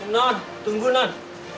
non tunggu non